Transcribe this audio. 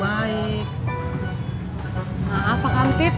maaf pak kantip